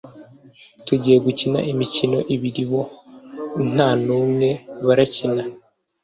Tugiye gukina imikino ibiri bo nta n’umwe barakina